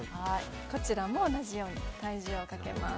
こちらも同じように体重をかけます。